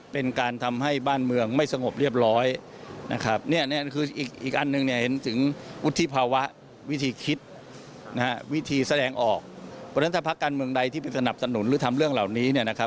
เพราะฉะนั้นถ้าภักดิ์การเมืองใดที่ไปสนับสนุนหรือทำเรื่องเหล่านี้